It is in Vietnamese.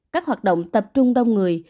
các hoạt động tập trung đông người